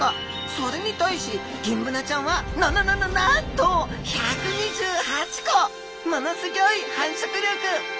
それに対しギンブナちゃんはなななななんと１２８個！ものすギョい繁殖力！